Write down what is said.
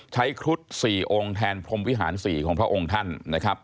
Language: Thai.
ครุฑ๔องค์แทนพรมวิหาร๔ของพระองค์ท่านนะครับ